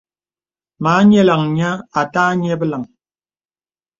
Mâ ǹyilaŋ nyə̀ à tâ ǹyìplàŋ.